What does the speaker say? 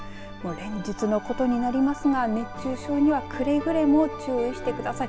連日のことになりますが熱中症にはくれぐれも注意してください。